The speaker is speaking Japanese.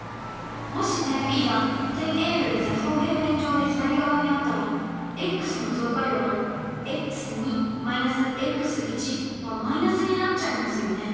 もし点Ｂが点Ａより座標平面上で左側にあったらｘの増加量のｘ−ｘはマイナスになっちゃいますよね？